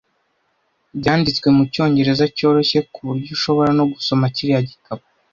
Byanditswe mucyongereza cyoroshye, kuburyo ushobora no gusoma kiriya gitabo.